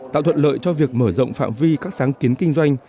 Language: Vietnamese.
tạo thuận lợi cho việc mở rộng phạm vi các sáng kiến kinh doanh